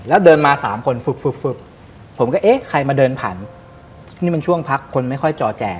แล้วเดินมาสามคนฟึบผมก็เอ๊ะใครมาเดินผ่านนี่มันช่วงพักคนไม่ค่อยจอแจ